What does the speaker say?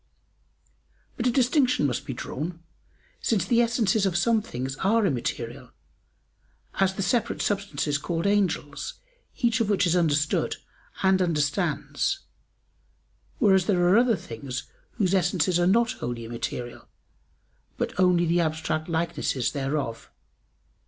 But a distinction must be drawn: since the essences of some things are immaterial as the separate substances called angels, each of which is understood and understands, whereas there are other things whose essences are not wholly immaterial, but only the abstract likenesses thereof.